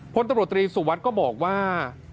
พลตำรวจตรีสุวัสดิ์ก็บอกว่า